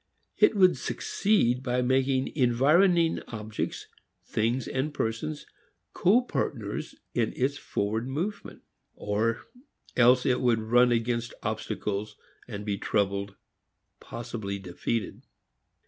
It would succeed by making environing objects, things and persons, co partners in its forward movement; or else it would run against obstacles and be troubled, possibly defeated.